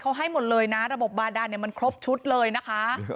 เขาให้หมดเลยนะระบบบาดานมันครบชุดเลยนะคะ